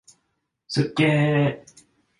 すっげー！